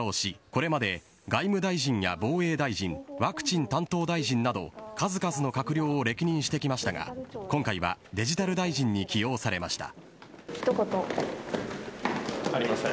これまで外務大臣や防衛大臣、ワクチン担当大臣など数々の閣僚を歴任してきましたが今回はデジタル大臣に起用されました。